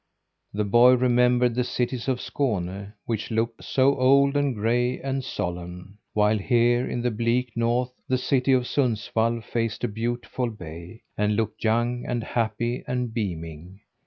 The boy remembered the cities of Skåne, which looked so old and gray and solemn; while here in the bleak North the city of Sundsvall faced a beautiful bay, and looked young and happy and beaming.